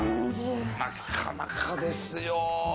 なかなかですよ。